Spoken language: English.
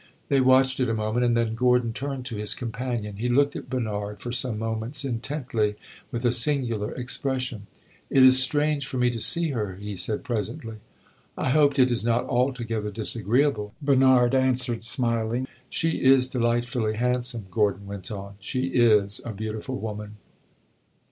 They watched it a moment, and then Gordon turned to his companion. He looked at Bernard for some moments intently, with a singular expression. "It is strange for me to see her!" he said, presently. "I hope it is not altogether disagreeable," Bernard answered smiling. "She is delightfully handsome," Gordon went on. "She is a beautiful woman."